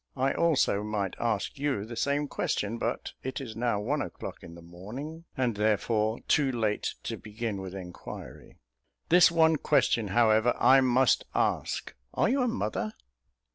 I also might ask you the same question; but it is now one o'clock in the morning, and, therefore, too late to begin with inquiry. This one question, however, I must ask are you a mother?"